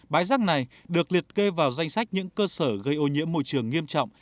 bãi rác này được liệt kê vào danh sách những cơ sở gây ô nhiễm môi trường nghiêm trọng